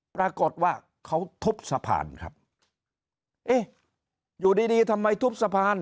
ปรากฏว่าเขาทุบสะพานครับเอ๊ะอยู่ดีดีทำไมทุบสะพาน